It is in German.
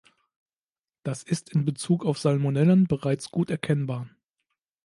Das ist in bezug auf Salmonellen bereits gut erkennbar.